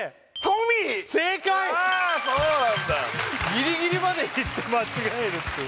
ギリギリまでいって間違えるっていう